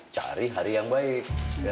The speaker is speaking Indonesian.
cari hari yang baik